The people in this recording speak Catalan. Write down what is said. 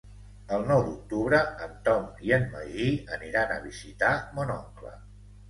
El nou d'octubre en Tom i en Magí aniran a visitar mon oncle.